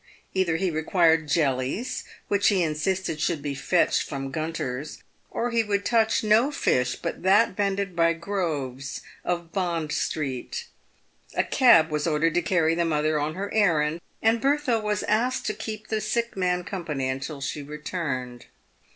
Either he required jellies, which he in sisted should be fetched from Gmnter's, or he would touch no fish but that vended by Groves, of Bond street. A cab was ordered to carry the mother on her errand, and Bertha was asked to keep the sick man company until she returned.